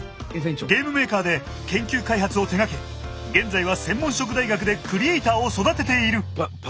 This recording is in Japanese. ゲームメーカーで研究開発を手がけ現在は専門職大学でクリエイターを育てている。